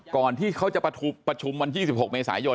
ก่อนที่เขาจะประชุมวันที่๒๖เมษายน